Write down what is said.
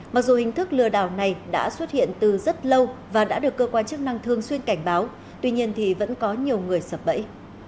mặc dù hình thức lừa đảo này đã xuất hiện từ rất lâu và đã được cơ quan chức năng thường xuyên cảnh báo tuy nhiên thì vẫn có nhiều người sập bẫy